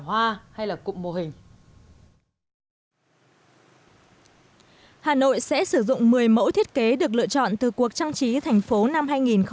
hà nội sẽ sử dụng một mươi mẫu thiết kế được lựa chọn từ cuộc trang trí thành phố năm hai nghìn hai mươi